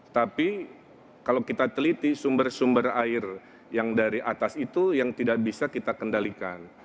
tapi kalau kita teliti sumber sumber air yang dari atas itu yang tidak bisa kita kendalikan